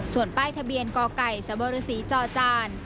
ส่วนป้ายทะเบียนกไก่สจ